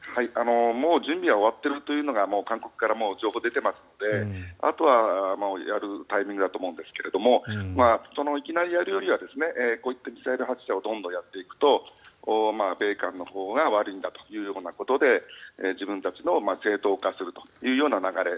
もう準備は終わっているというのが韓国から情報が出ていますのであとはやるタイミングだと思いますがいきなりやるよりはこういったミサイル発射をどんどんやっていくと米韓のほうが悪いんだということで自分たちを正当化するというような流れ